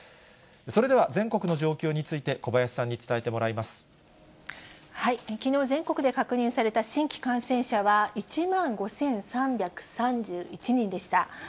それでは、全国の状況について、きのう、全国で確認された新規感染者は、１万５３３１人でした。